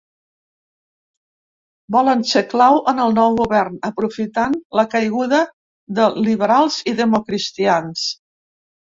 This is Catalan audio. Volen ser clau en el nou govern, aprofitant la caiguda de liberals i democristians.